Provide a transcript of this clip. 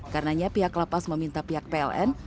karenanya pihak lapas meminta pihak pln